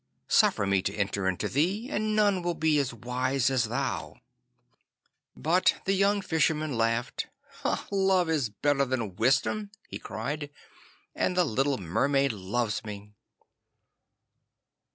Suffer me to enter into thee, and none will be as wise as thou.' But the young Fisherman laughed. 'Love is better than Wisdom,' he cried, 'and the little Mermaid loves me.